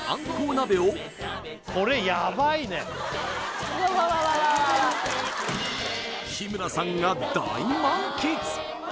鍋を日村さんが大満喫！